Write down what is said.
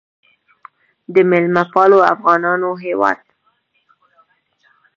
د میلمه پالو افغانانو هیواد.